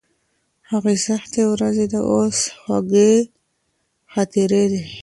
هغه سختې ورځې اوس خوږې خاطرې دي.